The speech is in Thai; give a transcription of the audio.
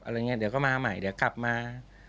อย่างนี้เดี๋ยวก็มาใหม่เดี๋ยวกลับมา